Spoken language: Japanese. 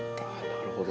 なるほど。